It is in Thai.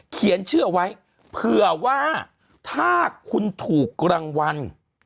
เขียนชื่อเอาไว้เผื่อว่าถ้าคุณถูกรางวัล